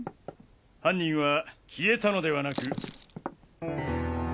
犯人は消えたのではなく。